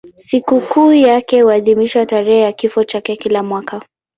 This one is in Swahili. Sikukuu yake huadhimishwa tarehe ya kifo chake kila mwaka.